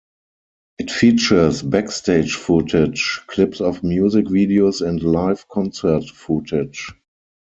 It features backstage footage, clips of music videos and live concert footage.